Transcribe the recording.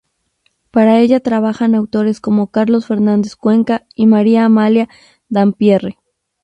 Para ella trabajan autores como Carlos Fernández Cuenca y María Amalia Dampierre.